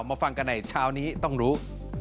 มาฟังกันในเช้านี้ต้องรู้